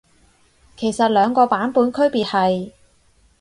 其實兩個版本區別係？